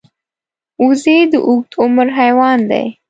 وزې د اوږد عمر حیوان دی